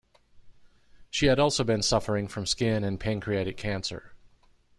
She had also been suffering from skin and pancreatic cancer.